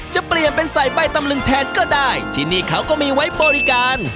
จะเปลี่ยนเป็นใส่ใบตำลึงแทนก็ได้ที่นี่เขาก็มีไว้บริการ